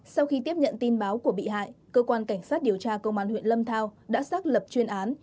sau khi tiếp nhận tin báo của bị hại cơ quan cảnh sát điều tra công an huyện lâm thao đã xác lập chuyên án